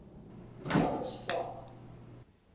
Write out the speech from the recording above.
— Мо тушто?